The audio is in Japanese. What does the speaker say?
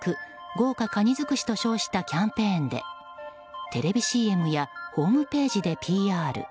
豪華かにづくしと称したキャンペーンでテレビＣＭやホームページでＰＲ。